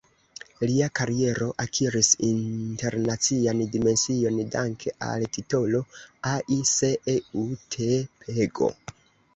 Lia kariero akiris internacian dimension danke al titolo "Ai se eu te pego".